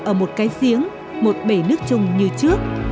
ở một cái giếng một bể nước chung như trước